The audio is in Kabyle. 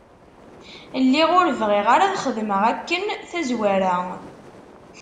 Lliɣ ur bɣiɣ ara ad xedmeɣ akken tazwara.